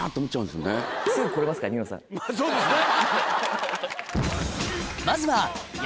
そうですね。